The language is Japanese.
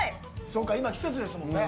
そうか、今、季節ですもんね。